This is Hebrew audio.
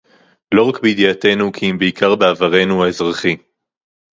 לֹא רַק בִּידִיעוֹתֵינוּ כִּי אִם בְּעִקָּר בַּעֲבָרֵנוּ הָאֶזְרָחִי.